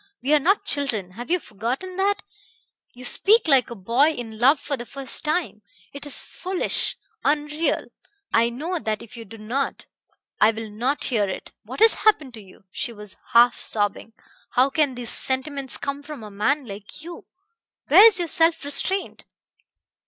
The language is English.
We are not children have you forgotten that? You speak like a boy in love for the first time. It is foolish, unreal I know that if you do not. I will not hear it. What has happened to you?" She was half sobbing. "How can these sentimentalities come from a man like you? Where is your self restraint?"